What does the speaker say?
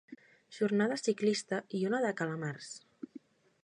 Jornada ciclista i una de calamars.